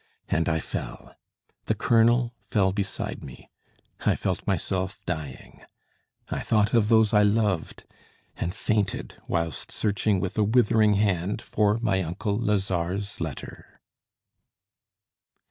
And I fell. The colonel fell beside me. I felt myself dying. I thought of those I loved, and fainted whilst searching with a withering hand for my uncle Lazare's letter.